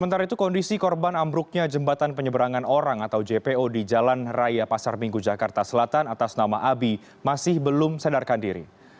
sementara itu kondisi korban ambruknya jembatan penyeberangan orang atau jpo di jalan raya pasar minggu jakarta selatan atas nama abi masih belum sadarkan diri